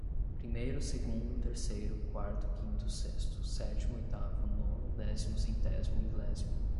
primeiro, segundo, terceiro, quarto, quinto, sexto, sétimo, oitavo, nono, décimo, centésimo, milésimo.